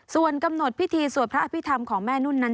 ส่วนกำหนดพิธีสวดพระอภิษฐรรมของแม่นุ่นนั้น